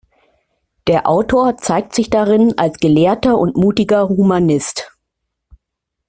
Der Autor zeigt sich darin als gelehrter und mutiger Humanist.